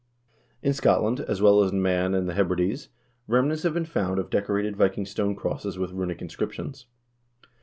In Scotland, as well as in Man and the Hebrides, remnants have been found of decorated Viking stone crosses with runic inscriptions.